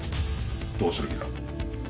どうする気だ？